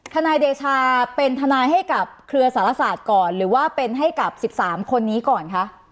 ทนายเดชาเป็นทนายให้กับเครือสารศาสตร์ก่อนหรือว่าเป็นให้กับ๑๓คนนี้ก่อนคะ